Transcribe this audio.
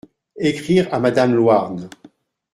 Écrire à madame Louarn.